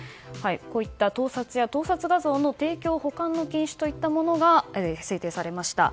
こういった盗撮や盗撮画像に提供・保管の禁止といったものが制定されました。